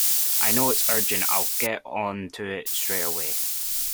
I know it's urgent; I’ll get on to it straight away